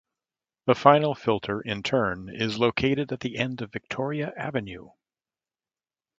The final filter in turn is located at the end of Victoria Avenue.